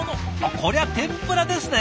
こりゃ天ぷらですね。